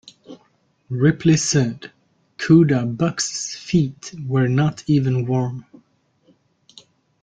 Ripley said, Kuda Bux's feet were not even warm.